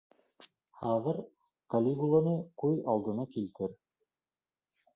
Хәҙер Калигуланы күҙ алдына килтер.